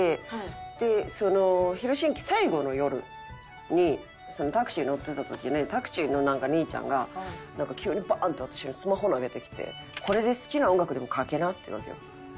最後の夜にタクシー乗ってた時にタクシーの兄ちゃんがなんか急にバーンッと私にスマホ投げてきてこれで好きな音楽でもかけなって言うわけよ。